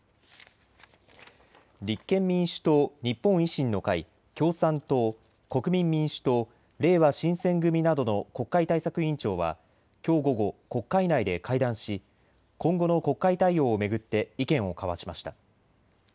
立憲民主党、日本維新の会、共産党、国民民主党、れいわ新選組などの国会対策委員長はきょう午後、国会内で会談し今後の国会対応を巡って意見を交わしました。